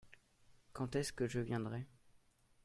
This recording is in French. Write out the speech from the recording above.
Quand est-ce que je viendrai ?